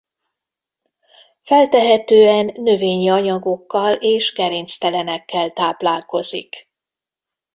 Feltehetően növényi anyagokkal és gerinctelenekkel táplálkozik.